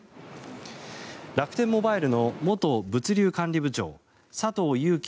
楽天モバイルの元物流管理部長佐藤友紀